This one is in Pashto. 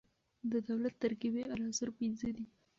د دولت ترکيبي عناصر پنځه دي.